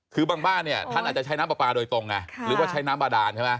คือบางบ้านเนี่ยท่านอาจจะใช้น้ำปลาปลาโดยตรงไงหรือว่าใช้น้ำบาดานใช่ไหม